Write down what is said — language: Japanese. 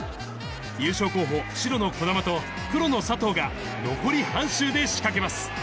優勝候補、白の児玉と黒の佐藤が、残り半周で仕掛けます。